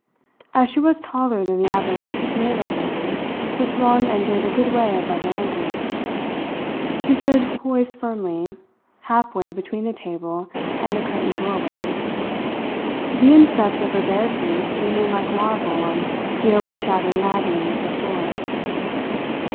As she was taller than the average Malay woman, the sarong ended a good way above her ankles. She stood poised firmly, half way between the table and the curtained doorway, the insteps of her bare feet gleaming like marble on the overshadowed matting of the floor.